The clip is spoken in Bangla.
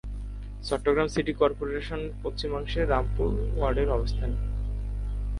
চট্টগ্রাম সিটি কর্পোরেশনের পশ্চিমাংশে রামপুর ওয়ার্ডের অবস্থান।